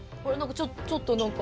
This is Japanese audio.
ちょっと何か。